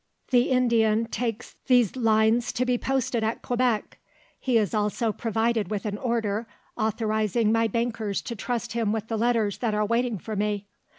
"The Indian takes these lines to be posted at Quebec. He is also provided with an order, authorising my bankers to trust him with the letters that are waiting for me.